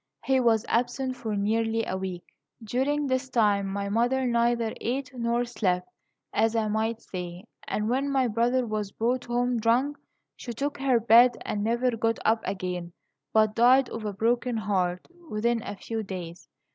He was absent for nearly a week. "During this time my mother neither ate nor slept, as I might say; and when my brother was brought home drunk, she took her bed, and never got up again, but died of a broken heart, within a few days.